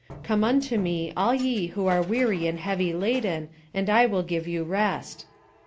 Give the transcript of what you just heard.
" Come unto me, all ye who are weary and heavy laden, and I will give you rest."